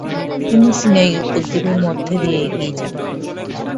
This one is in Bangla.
তিনি সিনাই উপদ্বীপের মধ্য দিয়ে এগিয়ে যান।